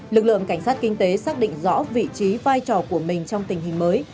lực lượng cảnh sát kinh tế xác định rõ vị trí vai trò của mình trong tình hình mới